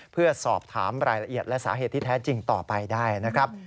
เพื่อสอบถามรายละเอียดและสาเหตุที่แท้จริงต่อไปได้นะครับ